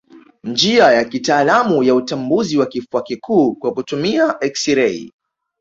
Njia ya kitaalamu ya utambuzi wa kifua kikuu kwa kutumia eksirei